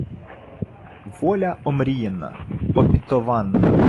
Воля омріяна, обітована